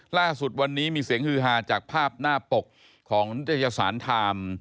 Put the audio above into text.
ล่าสุดวันนี้มีเสียงฮือฮาจากภาพหน้าปกของนิตยสารไทม์